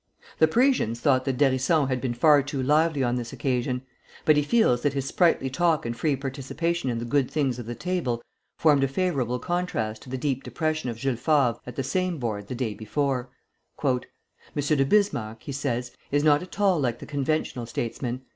The Parisians thought that d'Hérisson had been far too lively on this occasion; but he feels sure that his sprightly talk and free participation in the good things of the table, formed a favorable contrast to the deep depression of Jules Favre at the same board the day before. "M. de Bismarck," he says, "is not at all like the conventional statesman.